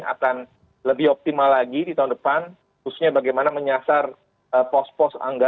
akan lebih optimal lagi di tahun depan khususnya bagaimana menyasar pos pos anggaran